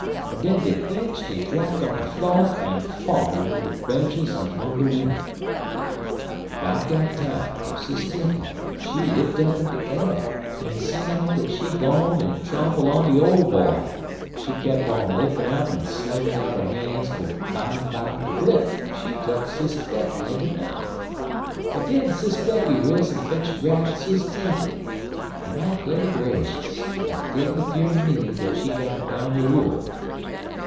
an' den dey clinched an' drapped on de flo' an' fout under de benches an' 'mong de wimmen. "'Bout dat time Sis Tempy, she lipt up in de a'r, an' sing out dat she done gone an tromple on de Ole Boy, an' she kep' on lippin' up an' slingin' out 'er han's twel bimeby blip! she tuck Sis Becky in de mouf, an' den Sis Becky riz an' fetch a grab at Sis Tempy, an' I 'clar' ter grashus ef didn't 'pear ter me like she got a poun' er wool.